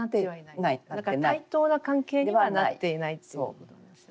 対等な関係にはなっていないっていうことなんですよね。